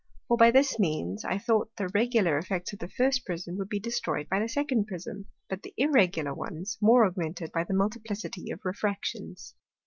For, by this means, I thought the regular effects of the first Prism would be destroy'd by the second Prism, but the irregular ones more augmented by the multiplicity of Refractions.